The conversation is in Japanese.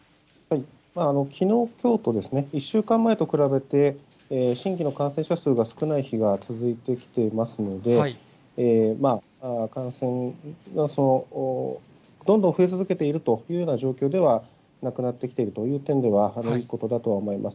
きのう、きょうと、１週間前と比べて、新規の感染者数が少ない日が続いてきていますので、感染が、どんどん増え続けているというような状況ではなくなってきてるという点では、いいことだとは思います。